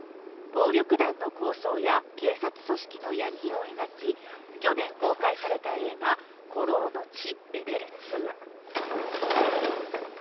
暴力団の抗争や警察組織の闇を描き去年公開された映画「孤狼の血ＬＥＶＥＬ２」。